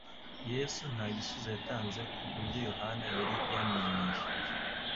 Yesu nta gisubizo yatanze ku byo Yohana yari yamenyesheje,